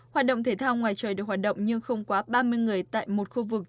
hoạt động thể thao ngoài trời được hoạt động nhưng không quá ba mươi người tại một khu vực